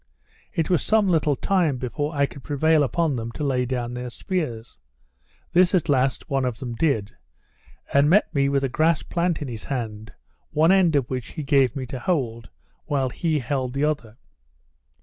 It was some little time before I could prevail upon them to lay down their spears. This, at last, one of them did; and met me with a grass plant in his hand, one end of which he gave me to hold, while he held the other.